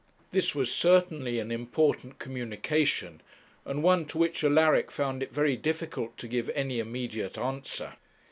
This was certainly an important communication, and one to which Alaric found it very difficult to give any immediate answer.